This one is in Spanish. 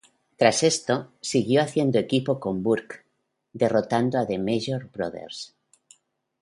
Tras esto, siguió haciendo equipo con Burke, derrotando a The Major Brothers.